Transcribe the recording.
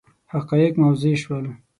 حقایق موضح شول.